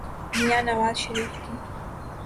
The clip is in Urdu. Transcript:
میاں نواز شریف کی۔